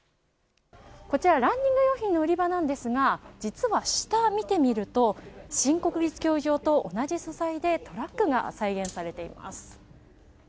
こちら、ランニング用品の売り場ですが実は下を見ると新国立競技場と同じ素材でトラックが再現されています。